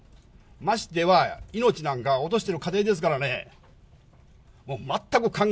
ましてや、命なんか落としてる家庭ですからね。